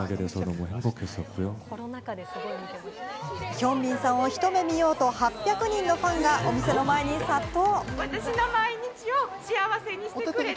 ヒョンビンさんをひと目見ようと、８００人のファンがお店の前に殺到。